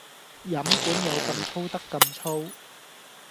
飲管有咁粗得咁粗